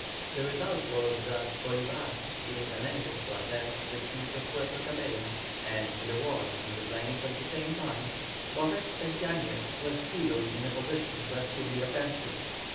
The result was that Bolívar, being unable to attend to the siege of Puerto Cabello and to the war upon the plains at the same time, Boves and Yañez were speedily in a position to assume the offensive.